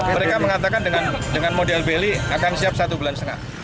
mereka mengatakan dengan model beli akan siap satu bulan setengah